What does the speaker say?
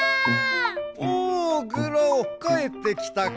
おおグラオかえってきたか。